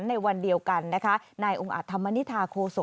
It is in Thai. ในวันเดียวกันนะคะนายองค์อาจธรรมนิษฐาโคศก